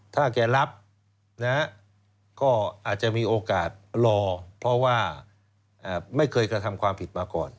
ถ้าแกรับก็อาจจะมีโอกาสรอเพราะว่าไม่เคยกระทำความผิดมาก่อน